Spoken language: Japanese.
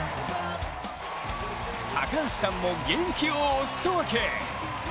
高橋さんも元気をお裾分け。